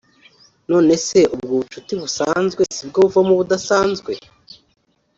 nonese ubwo bushuti busanzwe sibwo buvamo ubudasanzwe